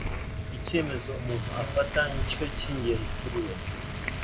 ikemezo umuntu afata ncyo kingenzi kuri we